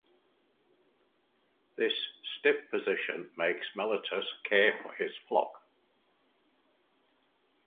This stiff position makes Meletius care for his flock.